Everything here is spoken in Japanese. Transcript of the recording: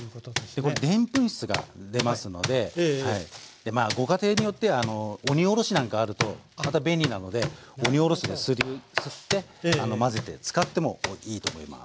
でこれでんぷん質が出ますのででまあご家庭によっては鬼おろしなんかあるとまた便利なので鬼おろしで擦って混ぜて使ってもいいと思います。